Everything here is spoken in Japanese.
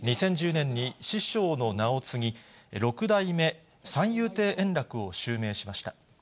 ２０１０年に師匠の名を継ぎ、六代目三遊亭円楽を襲名しました。